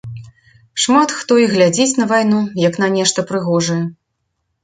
Шмат хто і глядзіць на вайну як на нешта прыгожае.